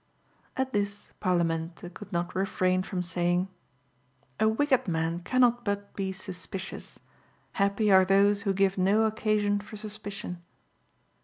At this Parlamente could not refrain from saying "A wicked man cannot but be suspicious; happy are those who give no occasion for suspicion."